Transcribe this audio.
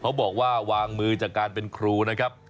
บอกว่าวางมือจากการเป็นครูนะครับ